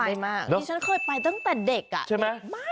ได้เผลอเฉยก็ต้องดูแลเข้าไป